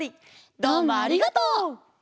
どうもありがとう！